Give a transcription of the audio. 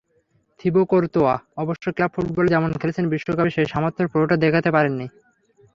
Thibaut Courtois অবশ্য club ফুটবলে যেমন খেলেছেন, বিশ্বকাপে সেই সামর্থ্যের পুরোটা দেখাতে পারেননি।